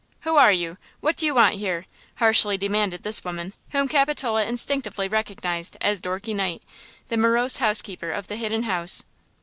"Who are you? What do you want here?" harshly demanded this woman, whom Capitola instinctively recognized as Dorky Knight, the morose housekeeper of the Hidden House.